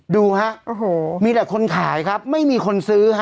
ดูฮะมีหลักคนขายครับไม่มีคนซื้อฮะ